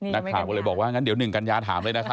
นักข่าวก็เลยบอกว่างั้นเดี๋ยว๑กัญญาถามเลยนะครับ